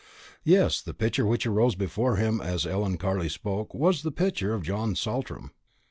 Yes, the picture which arose before him as Ellen Carley spoke was the picture of John Saltram.